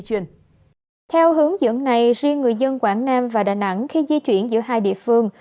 theo hướng dẫn này riêng người dân quảng nam và đà nẵng khi di chuyển giữa hai địa phương